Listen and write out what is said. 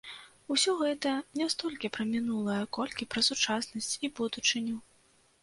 Усё гэта не столькі пра мінулае, колькі пра сучаснасць і будучыню.